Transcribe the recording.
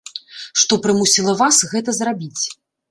Што прымусіла вас гэта зрабіць?